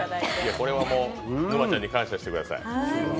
これは沼ちゃんに感謝してください。